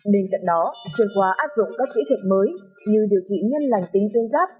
bên cạnh đó truyền khóa áp dụng các kỹ thuật mới như điều trị nhân lành tính tuyên giáp